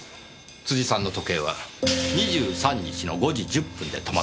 辻さんの時計は２３日の５時１０分で止まっていました。